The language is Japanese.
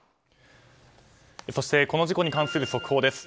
そしてこの事故に関する速報です。